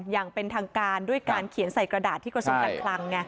อย่างเป็นทางการด้วยการเขียนใส่กระดาษที่กระทรวงการคลัง